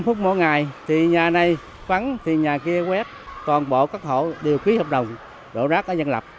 một mươi năm phút mỗi ngày thì nhà này quắn thì nhà kia quét toàn bộ các hộ đều ký hợp đồng đổ rác ở dân lập